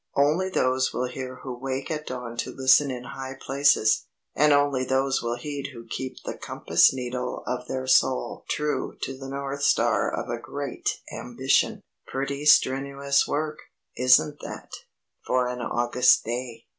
'_Only those will hear who wake at dawn to listen in high places, and only those will heed who keep the compass needle of their soul true to the North star of a great ambition!_'" "Pretty strenuous work, isn't that, for an August day?"